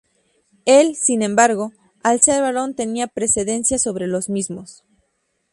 Él, sin embargo, al ser varón tenía precedencia sobre los mismos.